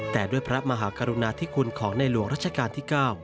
แต่ด้วยพระมหากรุณาธิคุณของในหลวงรัชกาลที่๙